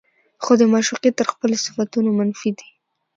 خو د معشوقې تر خپلو صفتونو منفي دي